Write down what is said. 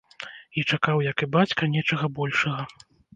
І чакаў, як і бацька, нечага большага.